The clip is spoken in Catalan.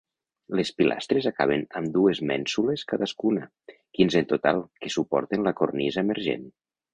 Les pilastres acaben amb dues mènsules cadascuna -quinze en total- que suporten la cornisa emergent.